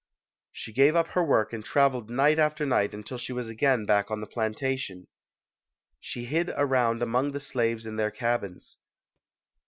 She gave up her work and traveled night after night until she was again back on the plantation. She hid around among the slaves in their cabins.